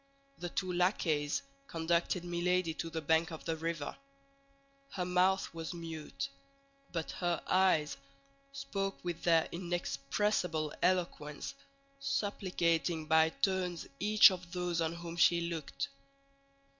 The two lackeys conducted Milady to the bank of the river. Her mouth was mute; but her eyes spoke with their inexpressible eloquence, supplicating by turns each of those on whom she looked.